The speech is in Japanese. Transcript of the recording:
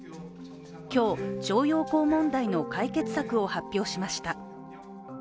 今日、徴用工問題の解決策を発表しました。